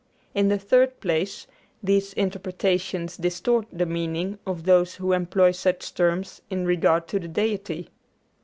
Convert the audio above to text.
In the third place, these interpretations distort the meaning of those who employ such terms in regard to the Deity.